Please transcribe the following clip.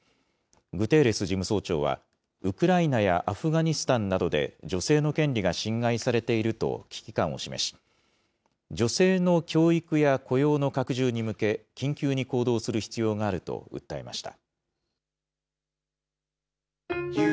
グテーレス事務総長は、ウクライナやアフガニスタンなどで女性の権利が侵害されていると危機感を示し、女性の教育や雇用の拡充に向け、緊急に行動する必要があると訴えました。